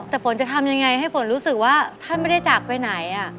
แต่ฝนจะทำยังไงให้ฝนรู้สึกว่าท่านไม่ได้จากไปไหน